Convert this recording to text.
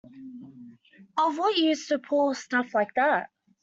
Of what use to pull stuff like that?